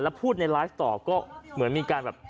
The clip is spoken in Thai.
พูดในไลฟ์ต่อก็เหมือนมีการแบบ